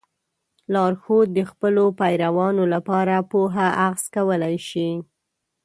لارښود د خپلو پیروانو لپاره پوهه اخذ کولی شي.